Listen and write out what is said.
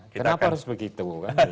kenapa harus begitu